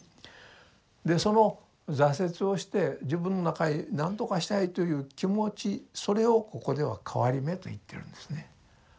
でその挫折をして自分の中でなんとかしたいという気持ちそれをここでは「かはりめ」と言ってるんですね。